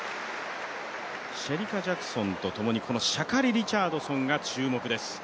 シェリカ・ジャクソンとともに、このシャカリ・リチャードソンが注目です。